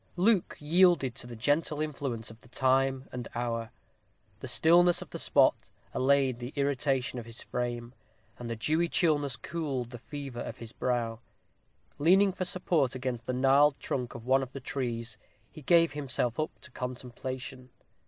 Luke yielded to the gentle influence of the time and hour. The stillness of the spot allayed the irritation of his frame, and the dewy chillness cooled the fever of his brow. Leaning for support against the gnarled trunk of one of the trees, he gave himself up to contemplation.